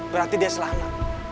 berarti dia selamat